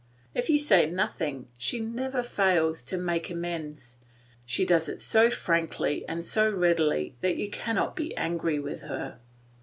If you say nothing, she never fails to make amends, and she does it so frankly and so readily that you cannot be angry with her.